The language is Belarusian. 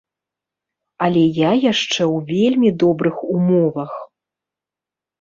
Але я яшчэ ў вельмі добрых умовах.